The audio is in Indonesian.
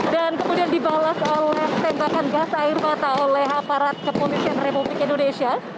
dan kemudian dibalas oleh tembakan gas air mata oleh aparat kepulisan republik indonesia